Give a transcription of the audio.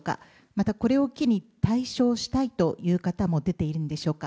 またこれを機に、退所をしたいという方も出ているんでしょうか。